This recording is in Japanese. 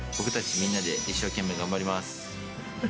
みんなで一生懸命頑張ります。